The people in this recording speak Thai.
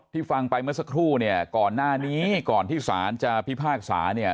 ฟังไปเมื่อสักครู่เนี่ยก่อนหน้านี้ก่อนที่ศาลจะพิพากษาเนี่ย